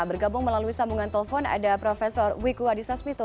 bergabung melalui sambungan telpon ada prof wiku hadisasmito